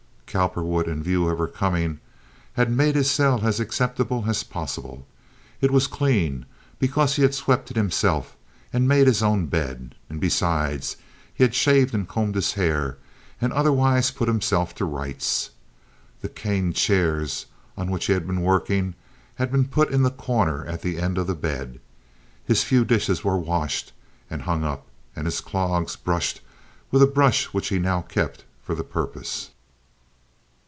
Cowperwood, in view of her coming, had made his cell as acceptable as possible. It was clean, because he had swept it himself and made his own bed; and besides he had shaved and combed his hair, and otherwise put himself to rights. The caned chairs on which he was working had been put in the corner at the end of the bed. His few dishes were washed and hung up, and his clogs brushed with a brush which he now kept for the purpose.